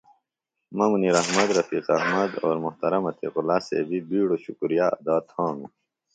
مہ منیراحمد ، رفیق احمد او محترم عتیق ﷲ صیبی بیڈیۡ شکریہ ادا تھانوࣿ ۔